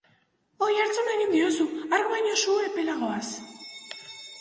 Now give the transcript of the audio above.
Oihartzun egin diozu, hark baino su epelagoz.